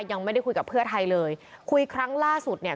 ยังไม่ได้คุยกับเพื่อไทยเลยคุยครั้งล่าสุดเนี่ย